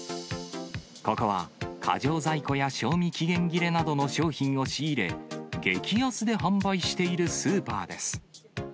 ここは過剰在庫や賞味期限切れなどの商品を仕入れ、激安で販売しているスーパーです。